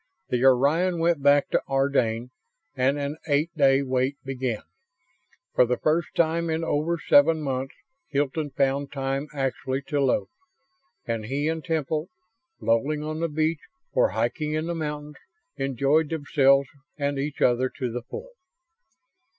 The Orion went back to Ardane and an eight day wait began. For the first time in over seven months Hilton found time actually to loaf; and he and Temple, lolling on the beach or hiking in the mountains, enjoyed themselves and each other to the full.